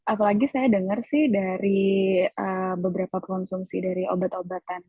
apalagi saya dengar sih dari beberapa konsumsi dari obat obatan